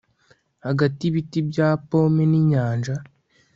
Hagati yibiti bya pome ninyanja